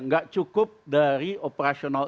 gak cukup dari operational